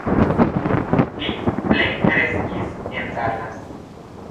Li plenkreskis en Dallas.